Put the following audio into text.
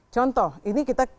contoh ini kita